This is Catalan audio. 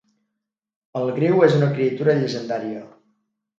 El griu és una criatura llegendària.